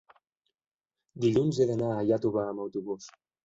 Dilluns he d'anar a Iàtova amb autobús.